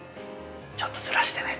ちょっとずらしてね。